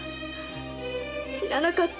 知らなかった！